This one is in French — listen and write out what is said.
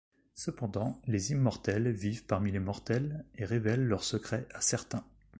Cependant, les immortels vivent parmi les mortels, et révèlent leur secret à certain.